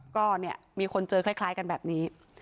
ก็เนี่ยมีคนเจอคล้ายกันแบบนี้